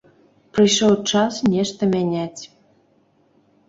Прыйшоў час нешта мяняць.